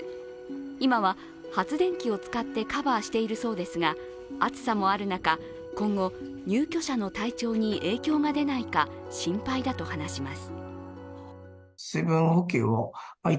今は発電機を使ってカバーしているそうですが熱さもある中、今後、入居者の体調に影響が出ないか心配だと話します。